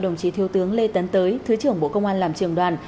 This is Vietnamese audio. đồng chí thiếu tướng lê tấn tới thứ trưởng bộ công an làm trường đoàn